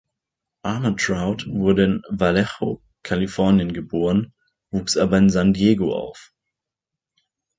Armantrout wurde in Vallejo, Kalifornien, geboren, wuchs aber in San Diego auf.